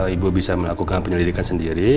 ibu bisa melakukan penyelidikan sendiri